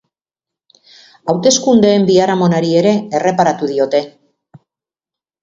Hauteskundeen biharamonari ere erreparatu diote.